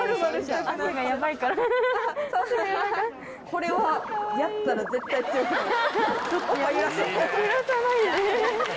これはやったら絶対強くなる。